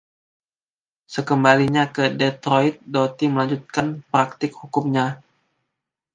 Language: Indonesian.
Sekembalinya ke Detroit, Doty melanjutkan praktik hukumnya.